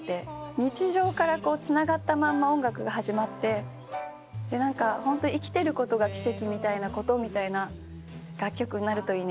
日常からつながったまんま音楽が始まってホント生きてることが奇跡みたいな楽曲になるといいね。